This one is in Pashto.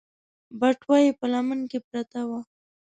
بټوه يې په لمن کې پرته وه.